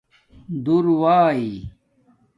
دُور ݸئئ